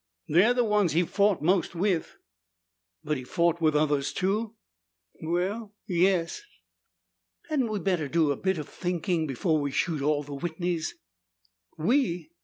"They're the ones he fought most with." "But he fought with others too?" "Well, yes." "Hadn't we better do a bit of thinking before we shoot all the Whitneys?" "We?